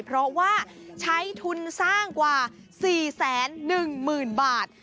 เพราะว่าใช้ทุนสร้างกว่า๔๑๐๐๐บาท